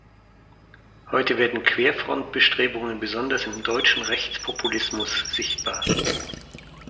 Heute werden Querfront-Bestrebungen besonders im deutschen Rechtspopulismus sichtbar.